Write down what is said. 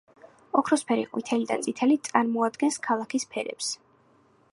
ოქროსფერი ყვითელი და წითელი წარმოადგენს ქალაქის ფერებს.